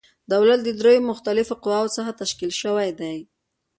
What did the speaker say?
دولت له دریو مختلفو قواوو څخه تشکیل شوی دی.